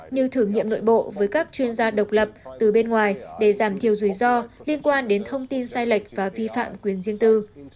như thử nghiệm nội bộ với các chuyên gia độc lập từ bên ngoài để giảm thiểu rủi ro liên quan đến thông tin sai lệch và vi phạm quyền riêng tư